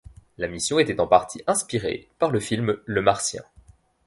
La mission était en partie inspirée par le film le Martien.